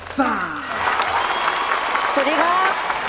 สวัสดีครับ